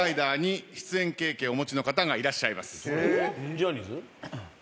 ジャニーズ？